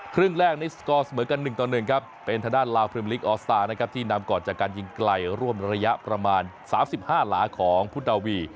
ครึ่งแรกในสกอร์สเหมือนกันหนึ่งต่อหนึ่งเป็นทะด้านลาวพรีเมอร์ลิกออสตาร์ที่นำก่อนจากการยิงไกลร่วมระยะประมาณ๓๕หลาของภุตดาวีพมศาล